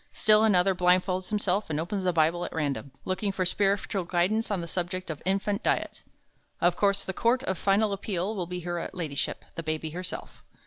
Still another blindfolds himself and opens the Bible at random, looking for spiritual guidance on the subject of infant diet. Of course the Court of Final Appeal will be Her Ladyship The Baby Herself.